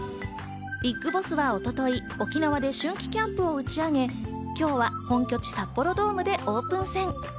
ＢＩＧＢＯＳＳは一昨日、沖縄で春季キャンプを打ち上げ、今日は本拠地・札幌ドームでオープン戦。